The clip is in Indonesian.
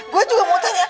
gue juga mau tanya